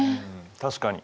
確かに。